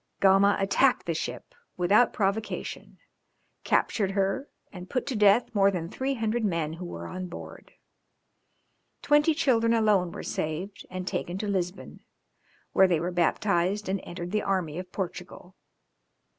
Gama attacked the ship without provocation, captured her and put to death more than three hundred men who were on board. Twenty children alone were saved and taken to Lisbon, where they were baptized, and entered the army of Portugal.